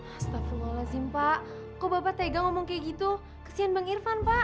astagfirullahaladzim pak kok bapak tega ngomong kayak gitu kesian bang irfan pak